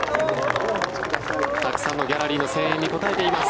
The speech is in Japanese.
たくさんのギャラリーの声援に応えています。